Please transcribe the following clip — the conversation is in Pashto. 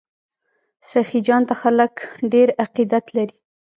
سخي جان ته خلک ډیر عقیدت لري.